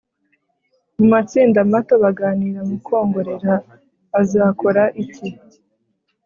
mu matsinda mato baganira mu kongorera. azakora iki